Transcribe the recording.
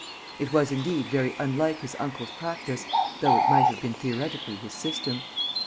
It was indeed very unlike his uncle's practice, though it might have been theoretically his system.